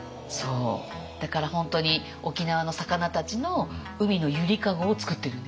だから本当に沖縄の魚たちの海の揺りかごを作ってるんですよ。